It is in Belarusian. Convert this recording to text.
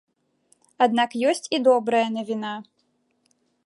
Аднак ёсць і добрая навіна.